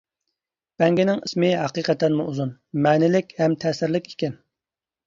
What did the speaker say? بەڭگىنىڭ ئىسمى ھەقىقەتەنمۇ ئۇزۇن، مەنىلىك ھەم تەسىرلىك ئىكەن.